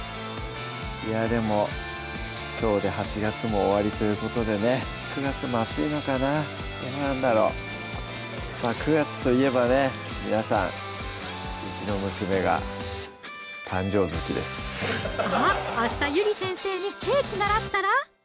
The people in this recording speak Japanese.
いやでもきょうで８月も終わりということでね９月も暑いのかなどうなんだろう９月といえばね皆さんうちの娘が誕生月ですあっ明日ゆり先生にケーキ習ったら？